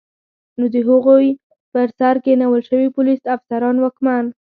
نو د هغوی پر سر کینول شوي پولیس، افسران، واکمن